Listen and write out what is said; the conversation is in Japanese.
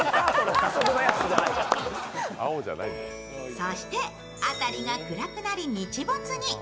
そして辺りが暗くなり日没に。